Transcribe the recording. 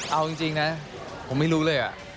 เอาจริงนะผมไม่รู้เลย